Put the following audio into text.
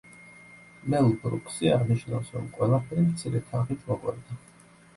მელ ბრუკსი აღნიშნავს, რომ ყველაფერი მცირე თანხით მოგვარდა.